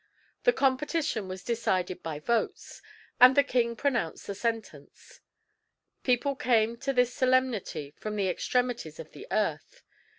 The competition was decided by votes; and the king pronounced the sentence. People came to this solemnity from the extremities of the earth.